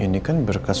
ini kan berkas